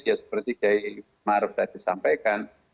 ya seperti gai maruf tadi sampaikan